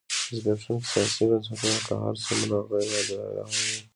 زبېښونکي سیاسي بنسټونه که هر څومره غیر عادلانه هم وي.